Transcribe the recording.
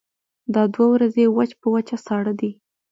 دا دوه ورځې وچ په وچه ساړه دي.